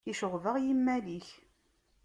Iceɣɣeb-aɣ yimal-ik.